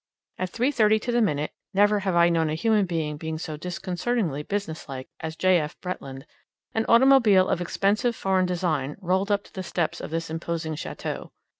At three thirty to the minute never have I known a human being so disconcertingly businesslike as J. F. Bretland an automobile of expensive foreign design rolled up to the steps of this imposing château.